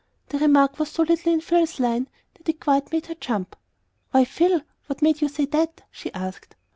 The remark was so little in Phil's line that it quite made her jump. "Why, Phil, what made you say that?" she asked.